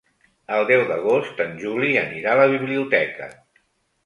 El deu d'agost en Juli anirà a la biblioteca.